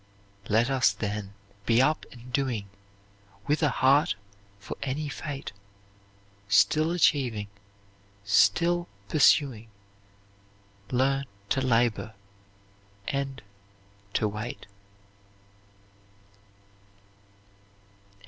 "Let us, then, be up and doing, With a heart for any fate; Still achieving, still pursuing, Learn to labor and to wait."